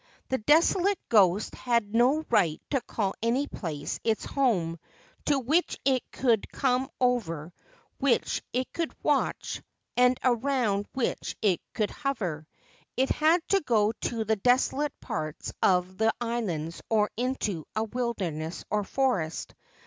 The desolate ghost had no right to call any place its home, to which it could come, over which it could watch, and around which it could hover. It had to go to the desolate parts of the islands or into a wilderness or forest.